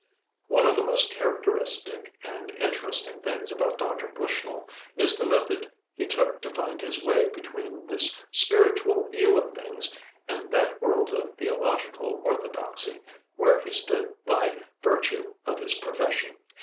One of the most characteristic and interesting things about Dr. Bushnell is the method he took to find his way between this spiritual view of things and that world of theological orthodoxy where he stood by virtue of his profession.